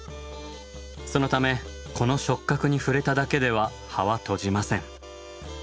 そのためこの触覚に触れただけでは葉は閉じません。